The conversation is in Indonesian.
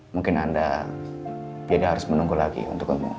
mungkin anda tidak harus menunggu lagi untuk emu